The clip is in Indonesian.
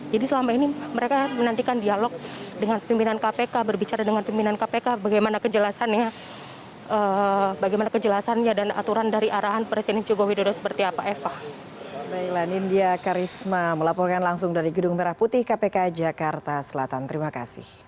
jadi selama ini mereka menantikan dialog dengan pimpinan kpk berbicara dengan pimpinan kpk bagaimana kejelasannya dan aturan dari arahan presiden jogo widodo seperti apa eva